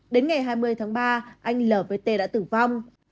đến ngày hai mươi tháng ba anh lvt đã tử vong